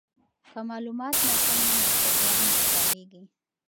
که معلومات ناسم وي نو پروګرام ناکامیږي.